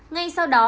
ngay sau đó